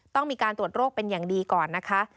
ต้องมีการตรวจโรคเป็นอย่างดีก่อนนะคะ